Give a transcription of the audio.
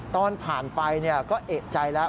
ตอนผ่านไปก็เอกใจแล้ว